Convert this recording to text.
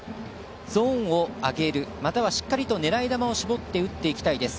ゾーンを上げるまたはしっかりと狙い球を絞って打っていきたいです。